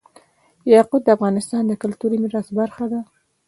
یاقوت د افغانستان د کلتوري میراث برخه ده.